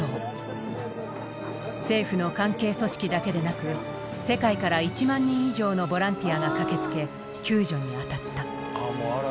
政府の関係組織だけでなく世界から１万人以上のボランティアが駆けつけ救助に当たった。